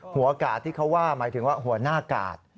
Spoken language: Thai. หัวกาดที่เขาว่าหมายถึงว่าหัวหน้ากาด